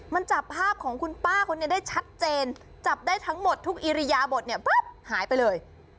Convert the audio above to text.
มันจับภาพของคุณป้าคนนี้ได้ชัดเจนจับได้ทั้งหมดทุกอิริยาบทเนี่ยปั๊บหายไปเลย